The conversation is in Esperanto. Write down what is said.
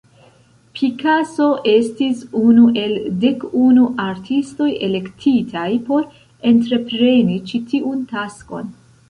Picasso estis unu el dek unu artistoj elektitaj por entrepreni ĉi tiun taskon.